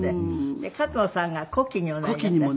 勝野さんが古希におなりになった。